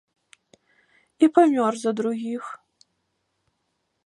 І памёр за другіх.